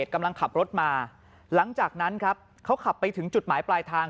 กำลังขับรถมาหลังจากนั้นครับเขาขับไปถึงจุดหมายปลายทาง